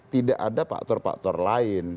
tidak ada faktor faktor lain